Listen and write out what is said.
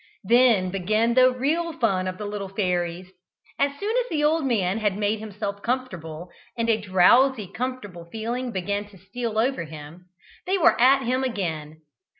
Then began the real fun of the little fairies. As soon as the old man had made himself comfortable, and a drowsy comfortable feeling began to steal over him, they were at him again.